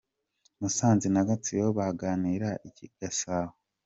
Musanze na Gatsibo bagakinira i Gasabo.